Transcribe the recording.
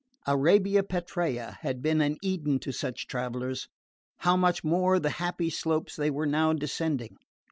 Arabia Petraea had been an Eden to such travellers; how much more the happy slopes they were now descending!